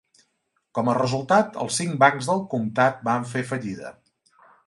Com a resultat, els cinc bancs del comtat van fer fallida.